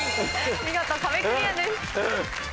見事壁クリアです。